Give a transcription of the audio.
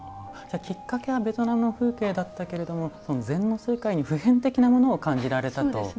きっかけはベトナムの風景だったけれども禅の世界に普遍的なものを感じられたと。